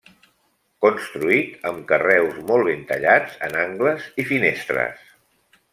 Construït amb carreus molt ben tallats en angles i finestres.